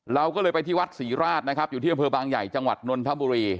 เราก็เลยไปที่วัดศรีราชนะครับอยู่ที่อำเภอบางใหญ่จังหวัดนนทบุรี